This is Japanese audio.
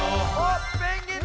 ペンギンだ！